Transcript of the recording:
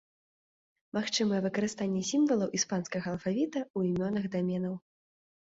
Магчымае выкарыстанне сімвалаў іспанскага алфавіта ў імёнах даменаў.